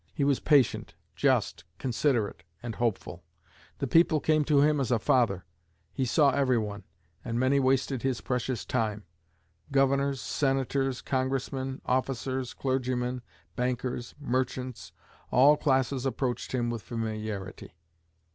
He was patient, just, considerate, and hopeful. The people came to him as to a father. He saw everyone, and many wasted his precious time. Governors, Senators, Congressmen, officers, clergymen, bankers, merchants all classes approached him with familiarity.